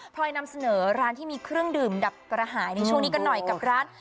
พลอยนำเสนอร้านที่มีเครื่องดื่มดับกระหายในช่วงนี้กันหน่อยกับร้าน